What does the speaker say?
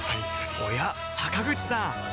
おや坂口さん